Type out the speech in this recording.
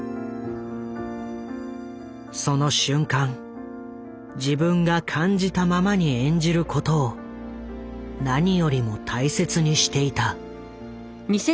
その瞬間自分が感じたままに演じることを何よりも大切にしていた。